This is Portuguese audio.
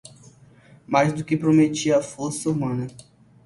Mais do que prometia a força humana